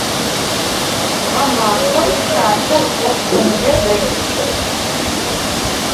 Ğemafem xatem ofş'enıbe delh.